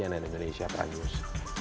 nenek indonesia pranyus